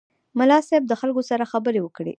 ملا صیب د خلکو سره خبرې وکړې.